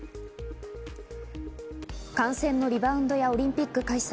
感染のリバウンドやオリンピック開催。